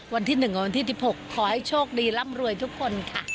วันที่๑กับวันที่๑๖ขอให้โชคดีร่ำรวยทุกคนค่ะ